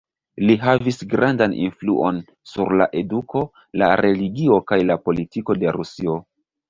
Li havis grandan influon sur la eduko, la religio kaj la politiko de Rusio.